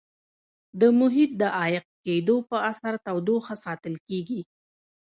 د محیط د عایق کېدو په اثر تودوخه ساتل کیږي.